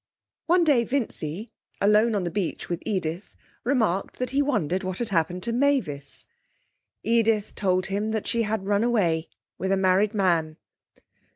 One day Vincy, alone on the beach with Edith, remarked that he wondered what had happened to Mavis. Edith told him that she had run away with a married man.